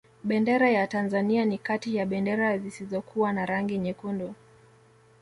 bendera ya tanzania ni kati ya bendera zisizokuwa na rangi nyekundu